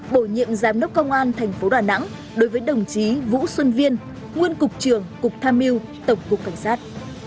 bổ nhiệm giám đốc công an thành phố đà nẵng đối với đồng chí vũ xuân viên nguồn cục trưởng cục tham mưu tổng cục cảnh sát